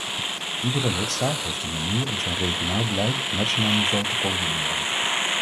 Iedere lidstaat heeft een manier om zijn regionaal beleid op nationaal niveau te coördineren.